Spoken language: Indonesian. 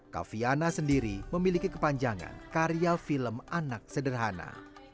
kafe viana sendiri memiliki kepanjangan karya film anak sederhana